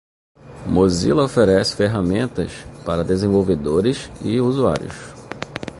Mozilla oferece ferramentas para desenvolvedores e usuários.